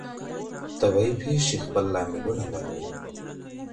طبیعي پېښې خپل لاملونه لري.